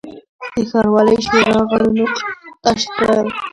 د ښاروالۍ شورا غړو نومونه یاداشت کړل.